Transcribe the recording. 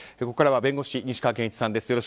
ここからは弁護士、西川研一さんです。